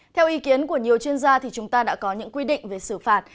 theo ý kiến của nhiều chuyên gia chúng ta đã có những quy định về xử phạt